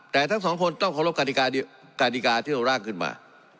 แต่ทั้งสองคนต้องเคารพกฎกฎิกาที่เราร่างขึ้นมา